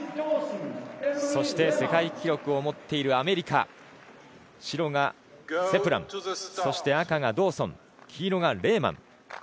そして世界記録を持っているアメリカ白がセプランそして赤がドーソン黄色がレーマン。